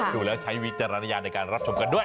ดูแล้วใช้วิจารณญาณในการรับชมกันด้วย